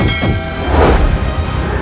mereka mencari mati